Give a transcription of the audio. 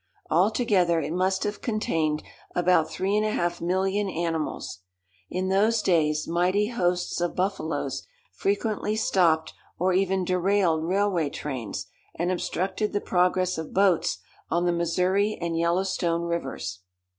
Altogether it must have contained about three and a half million animals. In those days mighty hosts of buffaloes frequently stopped or even derailed railway trains, and obstructed the progress of boats on the Missouri and Yellowstone rivers.